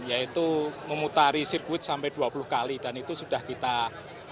yaitu memutari sirkuit sampai dua puluh kali dan itu sudah kita lakukan